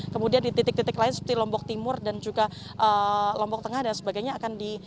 empat ratus kemudian di titik titik lain seperti lombok timur dan juga lombok tengah dan sebagainya